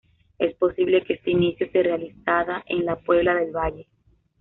Es posible que este inicio se realizada en la Puebla del Valle.